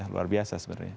luar biasa sebenarnya